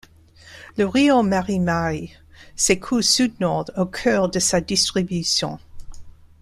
Le Rio Marimari s’écoule sud-nord au cœur de sa distribution.